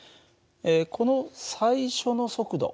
この最初の速度